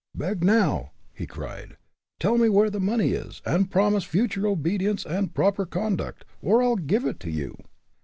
"Beg, now!" he cried. "Tell me where the money is, and promise future obedience and proper conduct, or I'll give it to you!"